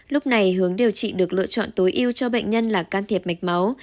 lúc này hướng điều trị được lựa chọn tối ưu cho bệnh nhân là can thiệp mạch máu